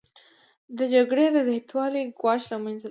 د جګړې د زیاتوالي ګواښ له منځه لاړ نشو